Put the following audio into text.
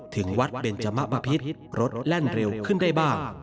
ถึงวัดเบนจมะบะพิษรถแล่นเร็วขึ้นได้บ้าง